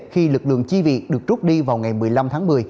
khi lực lượng chi việc được rút đi vào ngày một mươi năm tháng một mươi